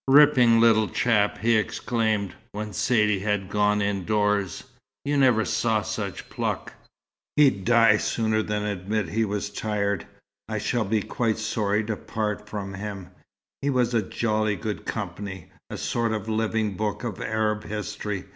"Ripping little chap," he exclaimed, when Saidee had gone indoors. "You never saw such pluck. He'd die sooner than admit he was tired. I shall be quite sorry to part from him. He was jolly good company, a sort of living book of Arab history.